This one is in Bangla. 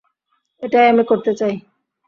এটাই আমি করতে চাই।